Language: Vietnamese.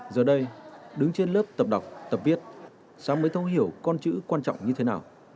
giờ đây đứng trên lớp tập đọc tập viết sáng mới thấu hiểu con chữ quan trọng như thế nào